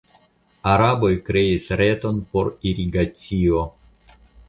Araboj kreis reton por irigacio.